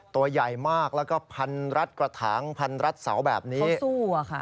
ตัวใหญ่มากแล้วก็พันรัดกระถางพันรัดเสาแบบนี้สู้อะค่ะ